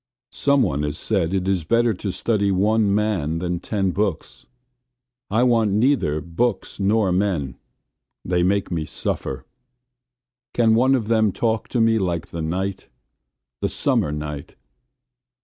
Some one has said it is better to study one man than ten books. I want neither books nor men; they make me suffer. Can one of them talk to me like the night – the Summer night?